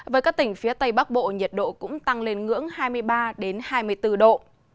với các tỉnh phía tây bắc bộ nhiệt độ cũng tăng lên ngưỡng hai mươi ba hai mươi bốn độ